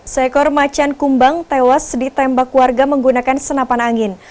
seekor macan kumbang tewas ditembak warga menggunakan senapan angin